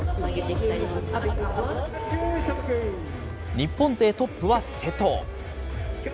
日本勢トップは勢藤。